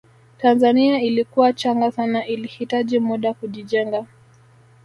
tanzania ilikuwa changa sana ilihitaji muda kujijenga